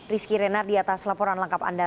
rizky renar di atas laporan lengkap anda